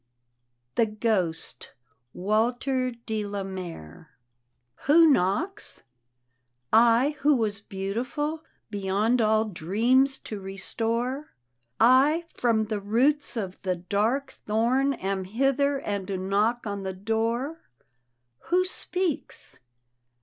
" THE GHOST : Walter db la marb " Who knocks? "" I, who was beautiful, Beyond all dreams to restore, I, from the roots of the dark thorn am hither, And knock on the door." " Who speaks?